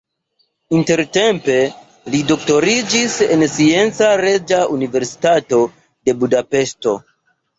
Intertempe li doktoriĝis en Scienca Reĝa Universitato de Budapeŝto.